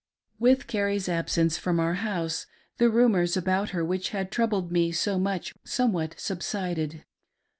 With Carrie's absence from our house, the rumors about her which had troubled me so much somewhat subsided.